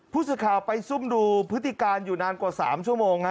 ผู้สื่อข่าวไปซุ่มดูพฤติการอยู่นานกว่า๓ชั่วโมง